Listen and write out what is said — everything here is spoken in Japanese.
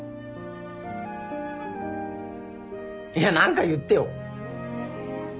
いや何か言ってよ。